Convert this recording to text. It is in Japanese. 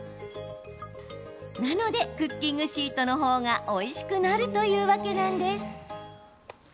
なのでクッキングシートのほうがおいしくなるというわけなんです。